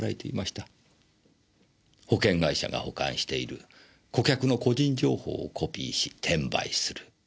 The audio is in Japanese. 保険会社が保管している顧客の個人情報をコピーし転売する。